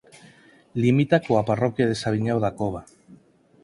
Limita coa parroquia do Saviñao da Cova.